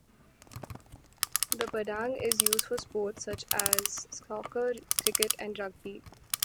The Padang is used for sports such as soccer, cricket and rugby.